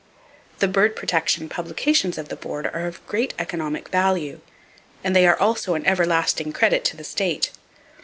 The bird protection publications of the Board are of great economic value, and they are also an everlasting credit to the state.